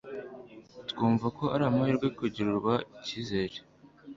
twumva ko ari amahirwe kugirirwa icyizere